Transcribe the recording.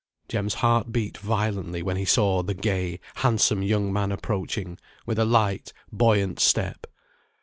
Jem's heart beat violently when he saw the gay, handsome young man approaching, with a light, buoyant step.